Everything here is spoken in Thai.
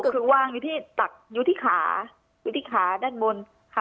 คือวางอยู่ที่ตักอยู่ที่ขาอยู่ที่ขาด้านบนค่ะ